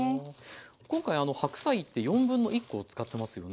今回白菜って1/4コ使ってますよね。